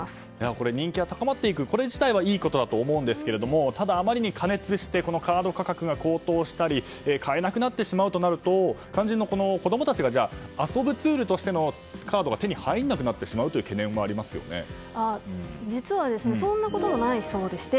これ、人気は高まってくこと自体はいいことだと思うんですがただ、あまりに加熱してカード価格が高騰したり、買えなくなると肝心の子供たちが遊ぶツールとしてのカードが手に入らなくなるという実は、そんなこともないそうでして。